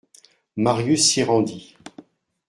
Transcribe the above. Marius s'y rendit.